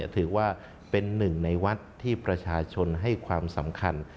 ถือว่าเป็นหนึ่งในวัดที่ประชาชนให้ความสำคัญ